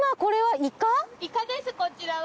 イカですこちらは。